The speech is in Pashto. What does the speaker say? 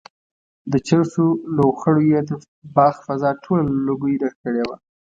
د چرسو لوخړو یې د باغ فضا ټوله له لوګیو ډکه کړې وه.